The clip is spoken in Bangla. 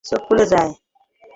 চোখ ফুলে যায়।